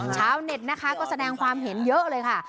ชาวเน็ตนะคะก็แสดงความเห็นเยอะเลยค่ะ